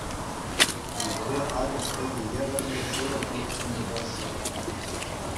Тӳпере акӑш тӗкӗ евӗрлӗ шурӑ пӗлӗтсем чупаҫҫӗ.